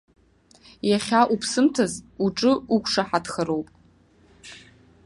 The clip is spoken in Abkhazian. Иахьа уԥсымҭаз уҿы уқәшаҳаҭхароуп!